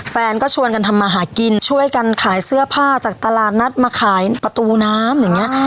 แฟนก็ชวนกันทำมาหากินช่วยกันขายเสื้อผ้าจากตลาดนัดมาขายประตูน้ำอย่างนี้